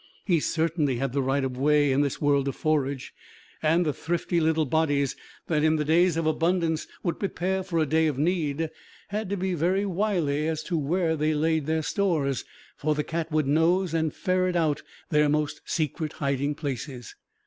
He certainly had the right of way in this world of forage, and the thrifty little bodies that in the days of abundance would prepare for a day of need, had to be very wily as to where they laid their stores, for the cat would nose and ferret out their most secret hiding places.